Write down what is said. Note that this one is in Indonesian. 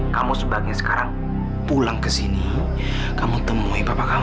kamu sebaiknya sekarang pulang ke sini kamu temui bapak kamu